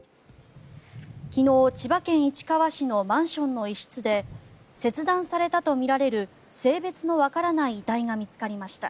昨日、千葉県市川市のマンションの一室で切断されたとみられる性別のわからない遺体が見つかりました。